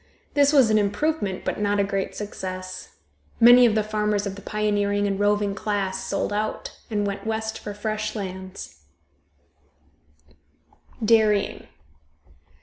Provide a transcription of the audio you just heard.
This was an improvement, but not a great success. Many of the farmers of the pioneering and roving class sold out, and went west for fresh lands. DAIRYING.